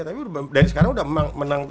tapi dari sekarang udah menang